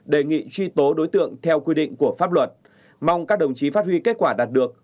đề nghị truy tố đối tượng theo quy định của pháp luật mong các đồng chí phát huy kết quả đạt được